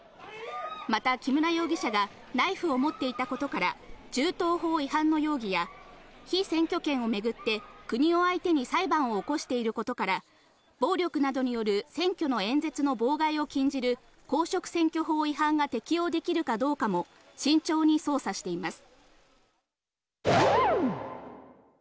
また木村容疑者が、ナイフを持っていたことから、銃刀法違反の容疑や、被選挙権を巡って国を相手に裁判を起こしていることから、暴力などによる選挙の演説の妨害を禁じる、公職選挙法違反が適用できるかどうかも慎重に捜査しています。